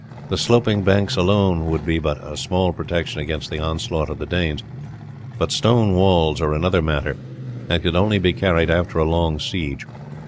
The sloping banks alone would be but a small protection against the onslaught of the Danes, but stone walls are another matter, and could only be carried after a long siege.